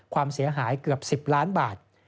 ความเสียหายเกือบ๑๐ล้านบาท